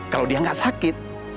kalau dia gak sakit